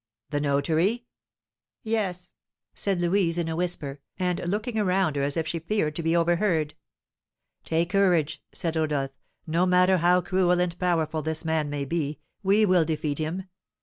"The notary?" "Yes," said Louise in a whisper, and looking around her as if she feared to be overheard. "Take courage," said Rodolph; "no matter how cruel and powerful this man may be, we will defeat him!